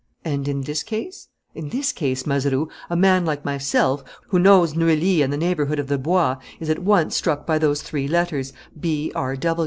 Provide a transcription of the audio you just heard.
"And in this case?" "In this case, Mazeroux, a man like myself, who knows Neuilly and the neighbourhood of the Bois, is at once struck by those three letters, 'B.R.